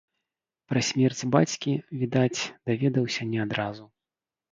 Пра смерць бацькі, відаць, даведаўся не адразу.